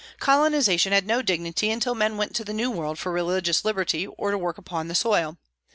Colonization had no dignity until men went to the New World for religious liberty, or to work upon the soil.